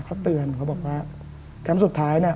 เขาเตือนเขาบอกว่าแคมป์สุดท้ายเนี่ย